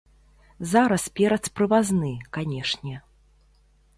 Зараз перац прывазны, канешне.